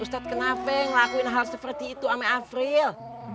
ustadz kenapa ngelakuin hal seperti itu sama afril